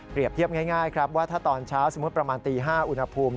เทียบง่ายครับว่าถ้าตอนเช้าสมมุติประมาณตี๕อุณหภูมิ